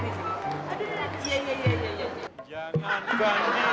iya ya yuk ya sakit deh